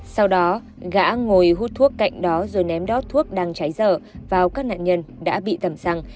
sau đó gã ngồi hút thuốc cạnh đó rồi ném đoát thuốc đang cháy dở vào các nạn nhân đã bị tẩm xăng